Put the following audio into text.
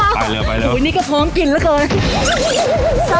ไปเร็วอุ๋นี่แกพร้อมกินละเบอร์